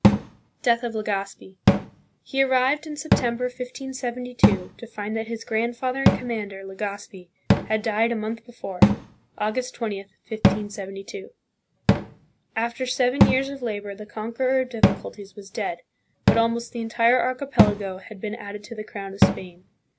Death of Legazpi. He arrived in September, 1572, to find that his grandfather and commander, Legazpi, had died a month before (August 20, 1572). After seven years of labor the conqueror of difficulties was dead, but almost the entire archipelago had been added to the crown of Spain.